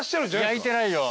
焼いてないよ。